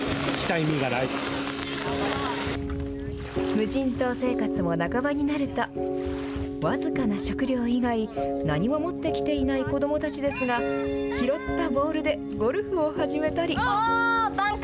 無人島生活も、半ばになると僅かな食料以外何も持ってきていない子どもたちですが拾ったボールでゴルフを始めたり。